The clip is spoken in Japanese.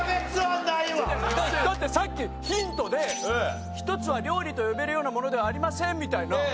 だってさっきヒントで「１つは料理と呼べるようなものではありません」みたいな。